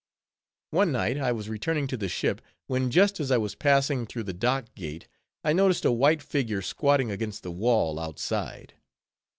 One night I was returning to the ship, when just as I was passing through the Dock Gate, I noticed a white figure squatting against the wall outside.